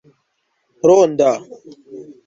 ronda